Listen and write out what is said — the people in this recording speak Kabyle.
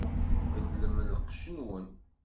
Beddlem lqecc-nwen!